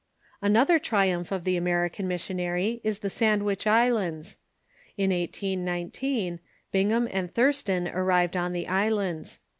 vVnother triumph of the American missionary is the Sand wich Islands. In 1819, Bingham and Thurston arrived on the islands.